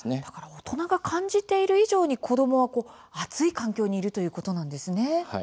大人が感じている以上に子どもは暑い環境にいるということですね。